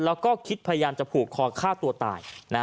แล้วก็คิดพยายามจะผูกคอฆ่าตัวตาย